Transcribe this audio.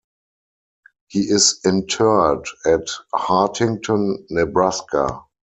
He is interred at Hartington, Nebraska.